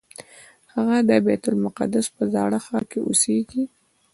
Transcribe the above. هغه د بیت المقدس په زاړه ښار کې اوسېږي.